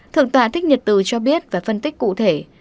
thượng tòa thích nhật từ cho biết và phân tích cụ thể